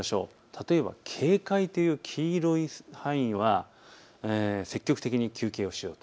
例えば警戒という黄色い範囲は積極的に休憩をしよう。